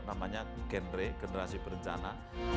namanya gen re generasi perencana